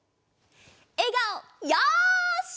えがおよし！